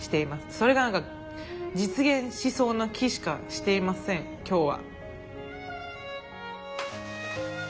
それが何か実現しそうな気しかしていません今日は。